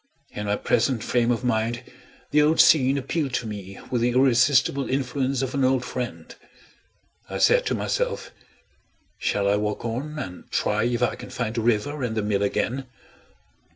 In my present frame of mind, the old scene appealed to me with the irresistible influence of an old friend. I said to myself: "Shall I walk on, and try if I can find the river and the mill again?"